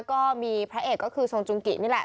ก็มีพระเอกก็คือทรงจุงกินี่แหละ